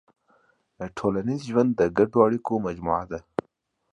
ټولنیز ژوند د ګډو اړیکو مجموعه ده.